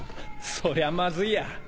そりゃマズいや。